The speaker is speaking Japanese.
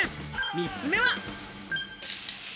３つ目は。